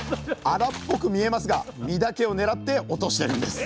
荒っぽく見えますが実だけを狙って落としてるんです！